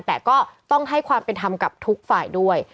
แต่ก็ต้องให้ความเป็นธรรมกับทุกฝ่ายด้วย